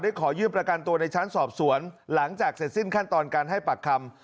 ขอยื่นประกันตัวในชั้นสอบสวนหลังจากเสร็จสิ้นขั้นตอนการให้ปากคำ